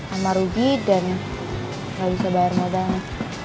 alma rugi dan gak bisa bayar modalnya